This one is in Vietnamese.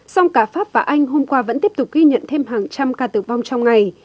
song cả pháp và anh hôm qua vẫn tiếp tục ghi nhận thêm hàng trăm ca tử vong trong ngày